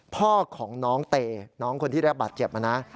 พ่อของน้องเตน้องคนที่ได้รับบาดเจ็บนะ